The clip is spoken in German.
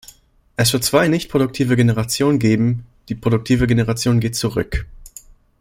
Es wird zwei nichtproduktive Generationen geben, die produktive Generation geht zurück.